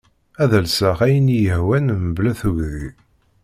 Ad lseɣ ayen iyi-hwan mebla tugdi.